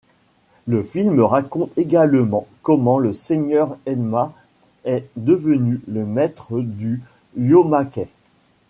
Le film raconte également comment le seigneur Enma est devenu le maître du Yomakai.